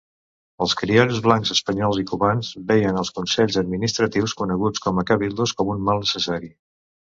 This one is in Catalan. Els criolls blancs espanyols i cubans veien els consells administratius, coneguts com a cabildos, com un mal necessari.